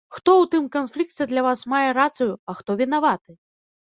Хто ў тым канфлікце для вас мае рацыю, а хто вінаваты?